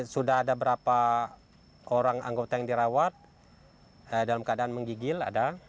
sudah ada berapa orang anggota yang dirawat dalam keadaan menggigil ada